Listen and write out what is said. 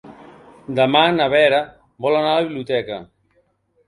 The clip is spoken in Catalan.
Demà na Vera vol anar a la biblioteca.